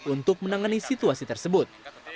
untuk menangani situasi tersebut